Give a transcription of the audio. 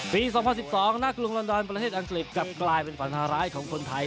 ปี๒๐๑๒นักกลุ่มรันดรประเทศอังกฤษกลายเป็นฝันธารายของไทย